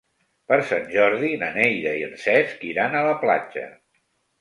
Per Sant Jordi na Neida i en Cesc iran a la platja.